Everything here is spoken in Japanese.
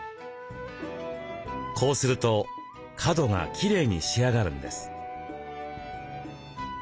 こうすると角がきれいに仕上がるんです。